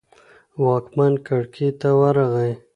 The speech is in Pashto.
واکمن کړکۍ ته ورغی.